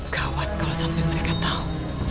kawat kalau sampai mereka tahu